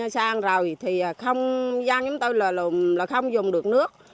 sang rồi thì không dân chúng tôi là lùm là không dùng được nước